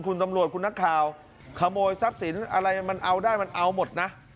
คุณตำรวจคุณนักข่าวขโมยทรัพย์สินอะไรมันเอาได้มันเอาหมดนะ